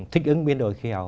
thích ứng biến đổi khí hậu